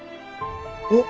えっ？